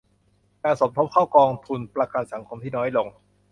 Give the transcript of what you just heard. การสมทบเข้ากองทุนประกันสังคมที่น้อยลง